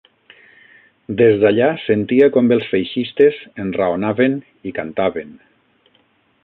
Des d'allà sentia com els feixistes enraonaven i cantaven.